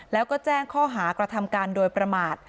แล้วก็แจ้งข้อหากระทำการโดยประมาท